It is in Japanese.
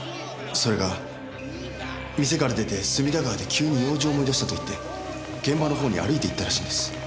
それが店から出て隅田川で急に用事を思い出したと言って現場の方に歩いていったらしいんです。